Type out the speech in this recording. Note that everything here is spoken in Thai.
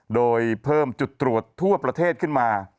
โดยเพิ่มจุดตรวจทั่วประเทศขึ้นมา